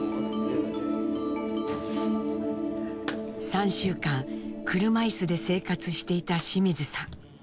３週間車いすで生活していた清水さん。